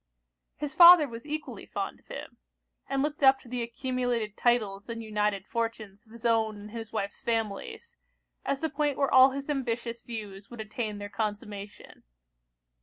His father was equally fond of him; and looked up to the accumulated titles and united fortunes of his own and his wife's families, as the point where all his ambitious views would attain their consummation.